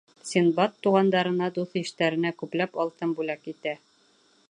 Синдбад туғандарына, дуҫ-иштәренә күпләп алтын бүләк итә.